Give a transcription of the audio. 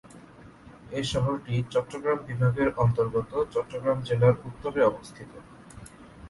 এ শহরটি চট্টগ্রাম বিভাগের অন্তর্গত চট্টগ্রাম জেলার উত্তরে অবস্থিত।